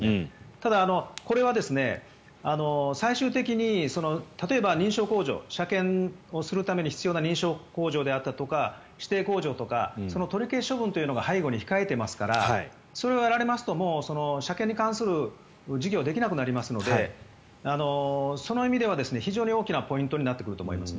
ただ、これは最終的に、例えば認証工場車検をするために必要な認証工場であったとか指定工場とか取り消し処分というのが背後に控えていますからそれをやられますと車検に関する事業ができなくなりますのでその意味では非常に大きなポイントになってくると思います。